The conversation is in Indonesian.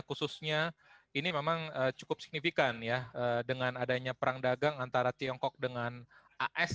khususnya ini memang cukup signifikan ya dengan adanya perang dagang antara tiongkok dengan as